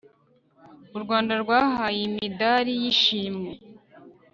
u rwanda rwahaye imidari y'ishimwe